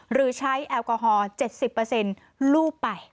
หรือใช้แอลกอฮอล์๗๐ลูบไป